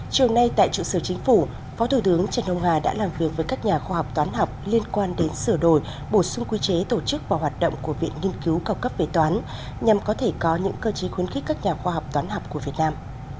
chiều nay tại trụ sở chính phủ phó thủ tướng trần hồng hà đã làm việc với các nhà khoa học toán học liên quan đến sửa đổi bổ sung quy chế tổ chức và hoạt động của viện nghiên cứu cao cấp về toán nhằm có thể có những cơ chế khuyến khích các nhà khoa học toán học của việt nam